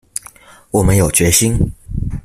我們有決心